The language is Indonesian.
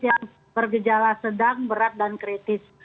yang bergejala sedang berat dan kritis